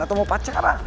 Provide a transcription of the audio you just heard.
atau mau pacaran